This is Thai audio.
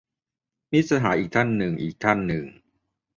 มิตรสหายอีกท่านอีกท่านหนึ่ง